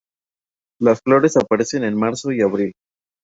Las flores aparecen en marzo y abril.